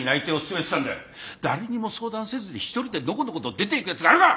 誰にも相談せずに１人でのこのこと出ていくやつがあるか。